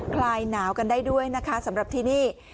คลายหนาวกันได้ด้วยนะคะสำหรับที่นี่